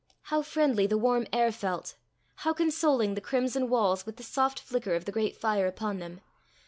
How friendly the warm air felt! how consoling the crimson walls with the soft flicker of the great fire upon them!